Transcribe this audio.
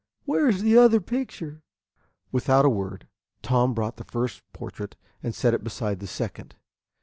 Where is the other picture?" Without a word Tom brought the first portrait and set it beside the second.